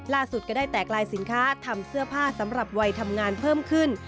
ก็ได้แตกลายสินค้าทำเสื้อผ้าสำหรับวัยทำงานเพิ่มขึ้น